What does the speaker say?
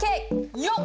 よっ！